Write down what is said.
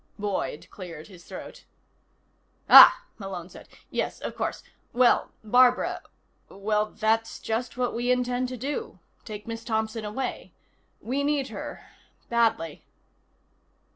Boyd cleared his throat. "Ah," Malone said. "Yes. Of course. Well, Barbara well, that's just what we intend to do. Take Miss Thompson away. We need her badly."